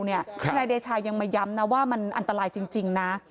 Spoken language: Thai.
นายเดชายังมาย้ำนะว่ามันอันตรายจริงนะ